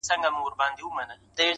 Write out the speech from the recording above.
د زړگي غوښي مي د شپې خوراك وي.